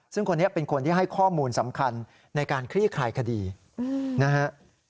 ซึ่งคนนี้เป็นคนที่ให้ข้อมูลสำคัญในการคลี่คลายคดีนะฮะ